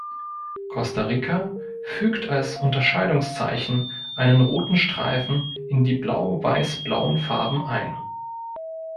Costa Rica fügt als Unterscheidungszeichen einen roten Streifen in die blau-weiß-blauen Farben ein.